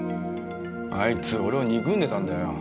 あいつ俺を憎んでたんだよ。